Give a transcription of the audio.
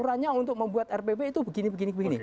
kalau guru membuat rpp itu begini begini begini